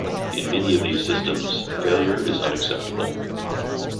In many of these systems, failure is unacceptable.